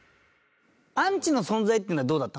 アンチの存在っていうのはどうだったの？